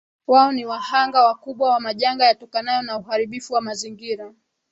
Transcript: Wao ni wahanga wakubwa wa majanga yatokanayo na uharibifu wa mazingira